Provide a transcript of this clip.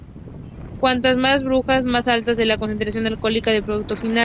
Cuantas más burbujas más alta es la concentración alcohólica del producto final.